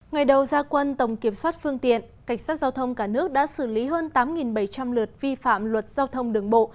ngày đầu gia quân tổng kiểm soát phương tiện cảnh sát giao thông cả nước đã xử lý hơn tám bảy trăm linh lượt vi phạm luật giao thông đường bộ